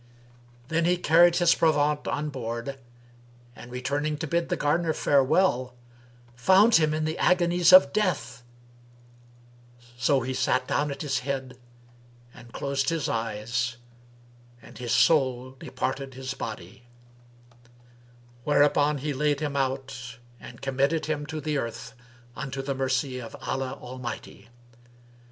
Then he carried his provaunt on board and, returning to bid the gardener farewell, found him in the agonies of death; so he sat down at his head and closed his eyes, and his soul departed his body; whereupon he laid him out and committed him to the earth unto the mercy of Allah Almighty.